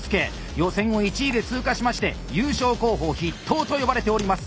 予選を１位で通過しまして優勝候補筆頭と呼ばれております。